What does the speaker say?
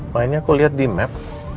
lainnya aku liat di map